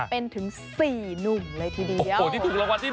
เป็นถึง๔หนุ่มเลยทีเดียวโอ้ที่ถูกรางวัลที่๑